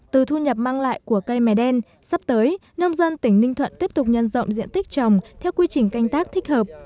từ thu nhập mang lại của cây mè đen sắp tới nông dân tỉnh ninh thuận tiếp tục nhân rộng diện tích trồng theo quy trình canh tác thích hợp